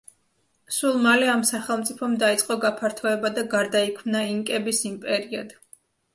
სულ მალე, ამ სახელმწიფომ დაიწყო გაფართოება და გარდაიქმნა ინკების იმპერიად.